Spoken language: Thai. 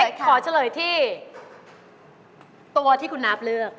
ขอเฉลยที่ตัวที่คุณนับเลือก